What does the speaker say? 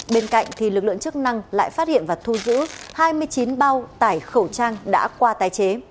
bên cạnh lực lượng chức năng lại phát hiện và thu giữ hai mươi chín bao tải khẩu trang đã qua tái chế